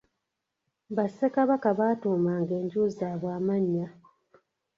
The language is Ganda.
Bassekabaka baatuumanga enju zaabwe amannya.